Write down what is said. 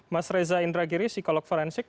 mas reza indragiri psikolog forensik